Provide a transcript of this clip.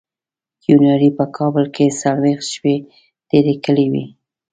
کیوناري په کابل کې څلوېښت شپې تېرې کړې وې.